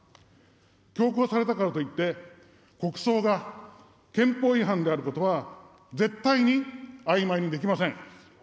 強行されたからといって、国葬が憲法違反であることは絶対にあいまいにできません。